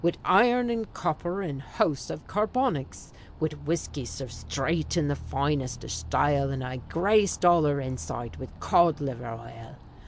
Wid iron and copper and hosts av carbonics; Wid whiskey served shtraight in the finest av shtyle, And I grased all her inside wid cod liver ile!